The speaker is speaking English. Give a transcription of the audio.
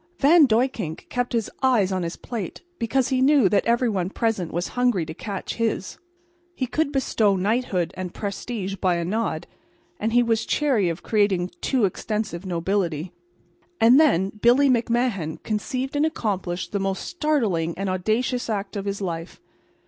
Van Duyckink kept his eyes on his plate because he knew that every one present was hungry to catch his. He could bestow knighthood and prestige by a nod, and he was chary of creating a too extensive nobility. And then Billy McMahan conceived and accomplished the most startling and audacious act of his life.